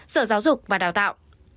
sở giáo dục và đào tạo